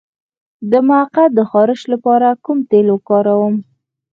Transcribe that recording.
د مقعد د خارش لپاره کوم تېل وکاروم؟